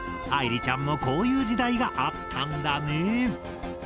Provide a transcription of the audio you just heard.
愛莉ちゃんもこういう時代があったんだね。